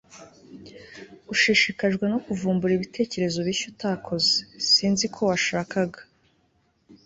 ushishikajwe no kuvumbura ibitekerezo bishya utakoze. sinzi ko washakaga